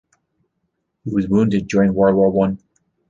He was wounded during World War One.